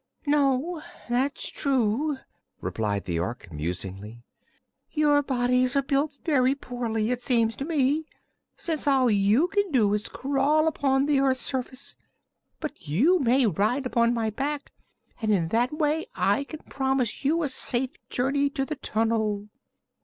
"No, that's true," replied the Ork musingly. "Your bodies are built very poorly, it seems to me, since all you can do is crawl upon the earth's surface. But you may ride upon my back, and in that way I can promise you a safe journey to the tunnel."